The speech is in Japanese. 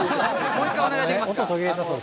もう一回お願いできますか。